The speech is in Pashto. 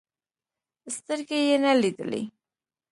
سترګې يې نه لیدلې.